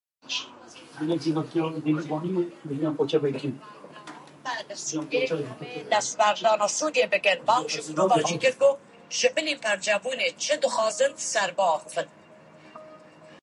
وا نۆ ڕۆژ بۆ ڕەمەزان ماوە